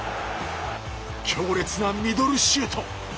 強烈なミドルシュート。